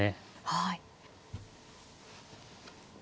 はい。